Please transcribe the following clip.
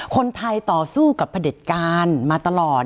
คนไทยต่อสู้กับพระเด็จการมาตลอด